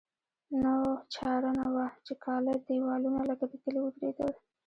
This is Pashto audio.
نوره چاره نه وه چې کاله دېوالونه لکه د کلي ودرېدل.